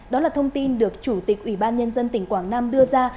đó là thông tin được chủ tịch ủy ban nhân dân tỉnh quảng nam đưa ra